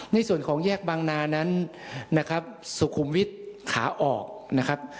ในส่วนของแยกบางนานั้นนะครับสุขุมวิทย์ขาออกนะครับ